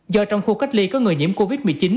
do trong khu cách ly có người nhiễm covid một mươi chín